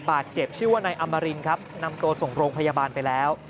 บาดเจ็บชื่อว่านายอมรินครับนำตัวส่งโรงพยาบาลไปแล้ว